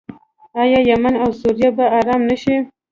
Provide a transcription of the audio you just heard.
آیا یمن او سوریه به ارام نشي؟